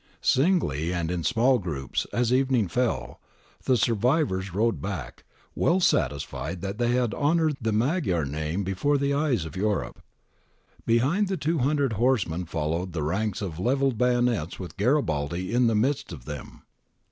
Singly and in small groups, as evening fell, the survivors rode back, well satisfied that they had honoured the Magyar name before the eyes of Europe. Behind the 200 horsemen followed the ranks of levelled bayonets with Garibaldi in the midst of them.